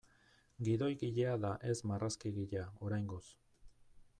Gidoigilea da ez marrazkigilea, oraingoz.